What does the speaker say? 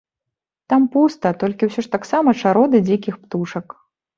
Там пуста, толькі ўсё ж таксама чароды дзікіх птушак.